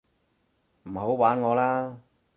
唔好玩我啦